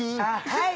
はい。